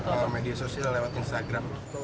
lewat media sosial lewat instagram